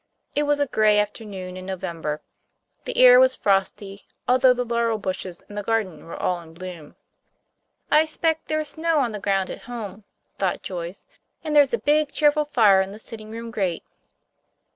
It was a gray afternoon in November; the air was frosty, although the laurel bushes in the garden were all in bloom. "I s'pect there is snow on the ground at home," thought Joyce, "and there's a big, cheerful fire in the sitting room grate.